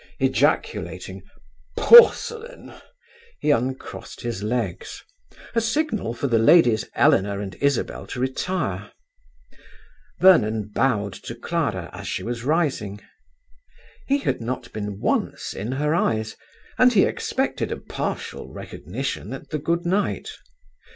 Ejaculating "Porcelain!" he uncrossed his legs; a signal for the ladies Eleanor and Isabel to retire. Vernon bowed to Clara as she was rising. He had not been once in her eyes, and he expected a partial recognition at the good night.